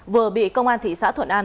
vừa bị công an thị xã thuận an